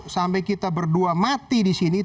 sampai kita berdua mati disini